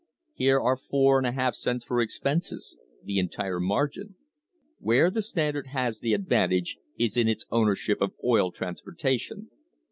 Here are four and a half cents for expenses the entire margin. Where the Standard has the advantage is in its ownership of oil transportation.